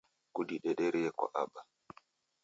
Kudidederie kwa aba